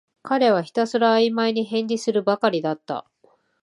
彼はひたすらあいまいに返事するばかりだった